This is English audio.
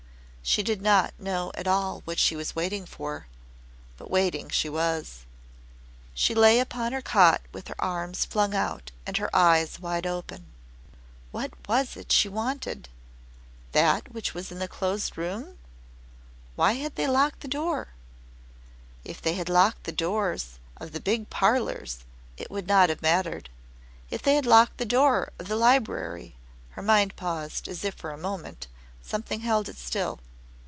She did not know at all what she was waiting for, but waiting she was. She lay upon her cot with her arms flung out and her eyes wide open. What was it that she wanted that which was in the closed room? Why had they locked the door? If they had locked the doors of the big parlours it would not have mattered. If they had locked the door of the library Her mind paused as if for a moment, something held it still.